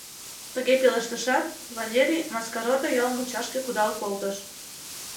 Тыге пелештышат, Валерий Маскародо ял мучашке кудал колтыш.